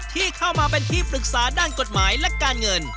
ที่เข้ามาเป็นที่ปรึกษาด้านกฎหมายและการเงิน